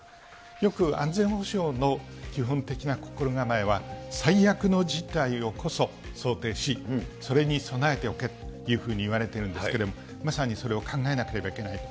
よく安全保障の基本的な心構えは最悪の事態をこそ想定し、それに備えておけというふうにいわれているんですけれども、まさにそれを考えなければいけないと。